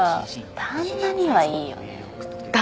旦那にはいい。